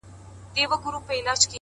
زما په غم کي تر قيامته به ژړيږي.!